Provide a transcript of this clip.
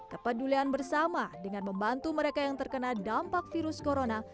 kepedulian bersama dengan membantu mereka yang terkena dampak virus corona